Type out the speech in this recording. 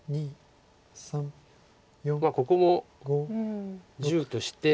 ここも１０として。